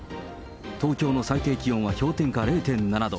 東京の最低気温は氷点下０．７度。